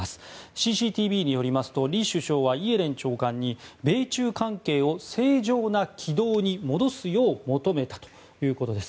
ＣＣＴＶによりますと李強首相はイエレン長官に米中関係を正常な軌道に戻すよう求めたということです。